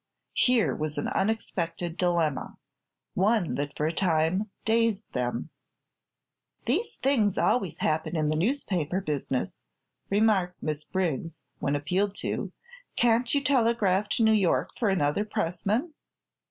Here was an unexpected dilemma; one that for a time dazed them. "These things always happen in the newspaper business," remarked Miss Briggs, when appealed to. "Can't you telegraph to New York for another pressman?"